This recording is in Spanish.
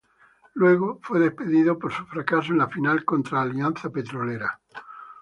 Luego fue despedido por su fracaso en la final contra Alianza Petrolera.